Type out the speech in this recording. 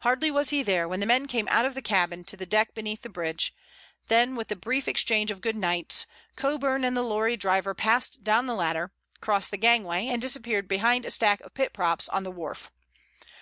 Hardly was he there when the men came out of the cabin to the deck beneath the bridge, then with a brief exchange of "Good nights," Coburn and the lorry driver passed down the ladder, crossed the gangway and disappeared behind a stack of pit props on the wharf.